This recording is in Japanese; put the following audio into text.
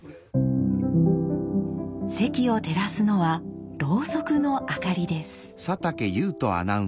席を照らすのはろうそくの明かりです。